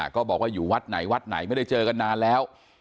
ก็บอกว่าอยู่วัดไหนวัดไหนไม่ได้เจอกันนานแล้ว